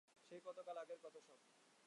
সেই কতকাল আগের কথা সব!